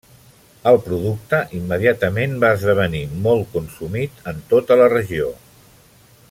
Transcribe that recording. El producte immediatament va esdevenir molt consumit en tota la regió.